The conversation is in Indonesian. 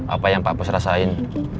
apa yang pak push rasain